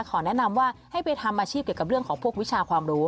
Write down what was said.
ขอแนะนำว่าให้ไปทำอาชีพเกี่ยวกับเรื่องของพวกวิชาความรู้